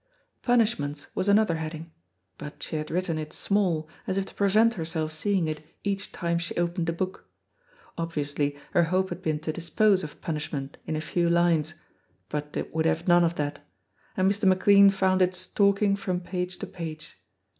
"Punishments" was another heading, but she had written it small, as if to prevent herself seeing it each time she opened the book. Obviously her hope had been to dispose of Punishment in a few lines, but it would have none of that, and Mr. McLean found it stalking from page to page.